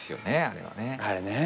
あれはね。